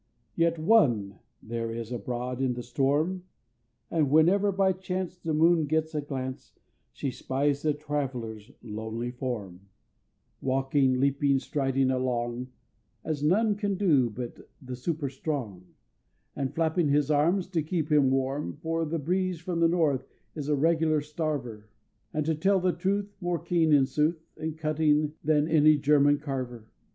Yet ONE there is abroad in the storm, And whenever by chance The moon gets a glance, She spies the Traveller's lonely form, Walking, leaping, striding along, As none can do but the super strong; And flapping his arms to keep him warm, For the breeze from the North is a regular starver, And to tell the truth, More keen, in sooth, And cutting than any German carver!